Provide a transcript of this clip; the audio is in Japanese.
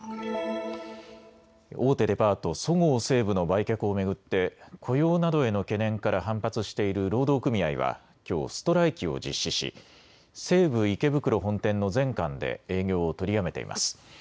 大手デパート、そごう・西武の売却を巡って雇用などへの懸念から反発している労働組合はきょう、ストライキを実施し西武池袋本店の全館で営業を取りやめています。